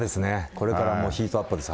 これからヒートアップです。